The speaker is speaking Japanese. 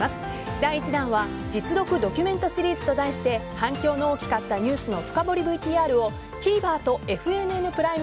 第１弾は実録ドキュメントシリーズと題して反響の大きかったニュースの深掘りＶＴＲをＴＶｅｒとＦＮＮプライム